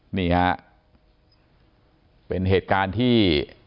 บริการที่